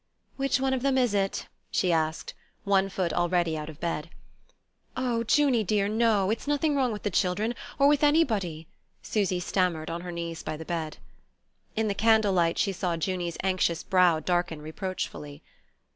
"Which one of them is it?" she asked, one foot already out of bed. "Oh, Junie dear, no... it's nothing wrong with the children... or with anybody," Susy stammered, on her knees by the bed. In the candlelight, she saw Junie's anxious brow darken reproachfully.